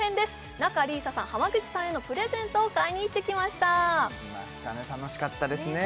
仲里依紗さん濱口さんへのプレゼントを買いに行ってきました楽しかったですねねえ